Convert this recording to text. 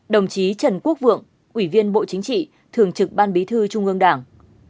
đồng chí trần quốc vượng ủy viên bộ chính trị thường trực ban bí thư trung ương đảng